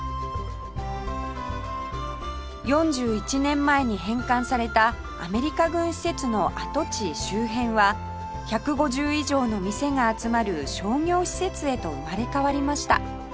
４１年前に返還されたアメリカ軍施設の跡地周辺は１５０以上の店が集まる商業施設へと生まれ変わりました